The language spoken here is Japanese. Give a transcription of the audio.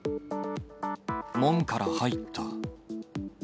門から入った。